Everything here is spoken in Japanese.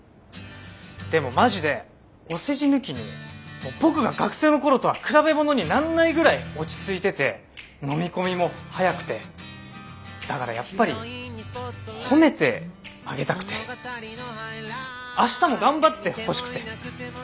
でもマジでお世辞抜きに僕が学生の頃とは比べ物になんないぐらい落ち着いててのみ込みも早くてだからやっぱり褒めてあげたくて明日も頑張ってほしくて。